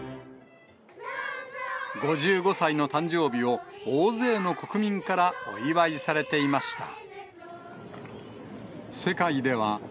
５５歳の誕生日を、大勢の国民からお祝いされていました。